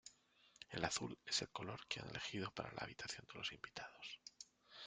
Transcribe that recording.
El azul es el color que han elegido para la habitación de los invitados.